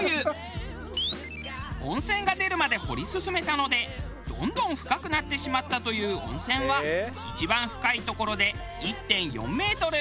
温泉が出るまで掘り進めたのでどんどん深くなってしまったという温泉は一番深い所で１．４メートル。